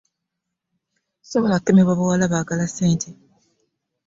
Sisobola kukemebwa bawala baagala ssente.